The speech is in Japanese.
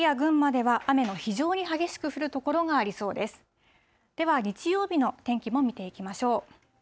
では日曜日の天気も見ていきましょう。